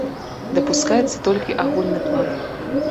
Дапускаецца толькі агульны план.